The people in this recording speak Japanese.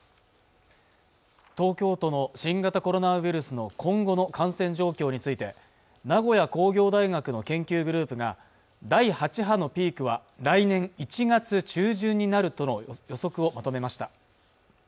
東京都の新型コロナウイルスの今後の感染状況について名古屋工業大学の研究グループが第８波のピークは来年１月中旬になるとの予測をまとめました